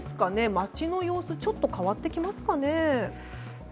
街の様子ちょっと変わってきますかね。